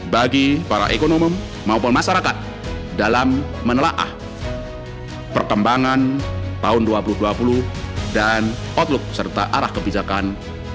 bagi para ekonom maupun masyarakat dalam menelaah perkembangan tahun dua ribu dua puluh dan outlook serta arah kebijakan dua ribu dua puluh satu